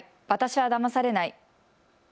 私はだまされない。